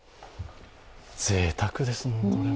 ぜいたくですね。